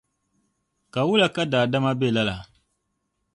Ka wula ka daadama be lala?